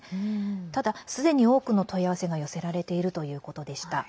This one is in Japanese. ただ、すでに多くの問い合わせが寄せられているということでした。